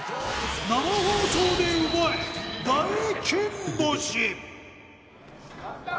生放送で奪え大金星。